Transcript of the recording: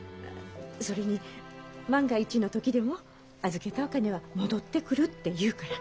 それに万が一の時でも預けたお金は戻ってくるって言うから。